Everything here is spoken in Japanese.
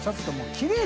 きれい。